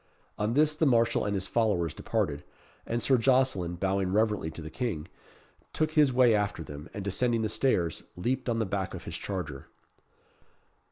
On this the marshal and his followers departed; and Sir Jocelyn, bowing reverently to the King, took his way after them, and descending the stairs, leaped on the back of his charger.